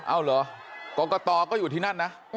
เอาเหรอกรกตก็อยู่ที่นั่นนะ